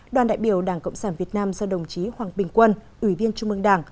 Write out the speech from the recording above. đoàn đại biểu đảng cộng sản việt nam do đồng chí hoàng bình quân ủy viên trung mương đảng